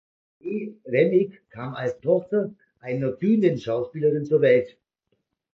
Lee Remick kam als Tochter einer Bühnenschauspielerin zur Welt.